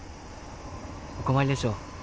お困りでしょう。